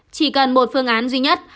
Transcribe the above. chỉ cần một phương án duy nhất